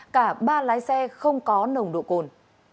cả ba lái xe không có nồng độ cồn